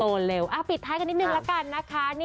เร็วปิดท้ายกันนิดนึงละกันนะคะ